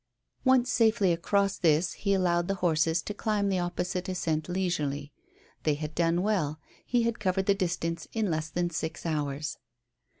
Once safely across this he allowed the horses to climb the opposite ascent leisurely. They had done well he had covered the distance in less than six hours.